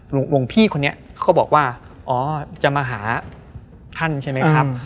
หลวงพี่คนนี้เขาก็บอกว่าอ๋อจะมาหาท่านใช่ไหมครับ